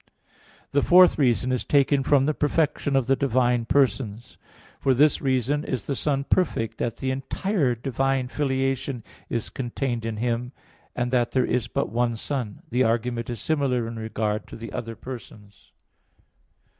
The fourth reason is taken from the perfection of the divine persons. For this reason is the Son perfect, that the entire divine filiation is contained in Him, and that there is but one Son. The argument is similar in regard to the other persons.